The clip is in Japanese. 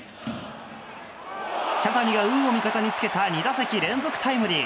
茶谷が運を味方につけた２打席連続タイムリー。